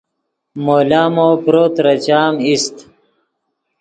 مو لامو پرو ترے چام ایست